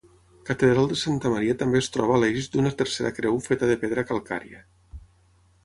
Catedral de Santa Maria també es troba l'eix d'una tercera creu feta de pedra calcària.